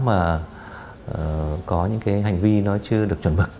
mà có những cái hành vi nó chưa được chuẩn mực